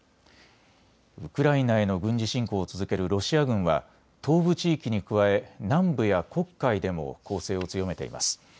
ウクライナへの軍事侵攻を続けるロシア軍は東部地域に加え南部や黒海でも攻勢を強めています。